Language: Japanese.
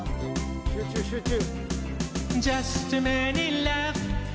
集中集中。